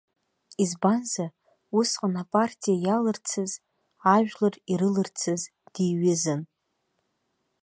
Избанзар, усҟан апартиа иалырцаз, ажәлар ирылырцаз диҩызан.